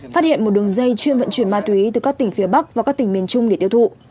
phát hiện một đường dây chuyên vận chuyển ma túy từ các tỉnh phía bắc và các tỉnh miền trung để tiêu thụ